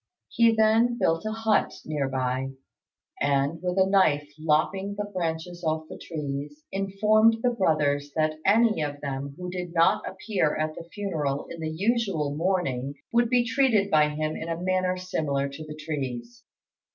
He then built a hut near by, and, with a knife lopping the branches off the trees, informed the brothers that any of them who did not appear at the funeral in the usual mourning would be treated by him in a manner similar to the trees.